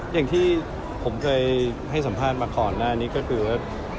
อย่างที่ผมเคยให้สัมภาษณ์มาก่อนหน้านี้ก็คือว่า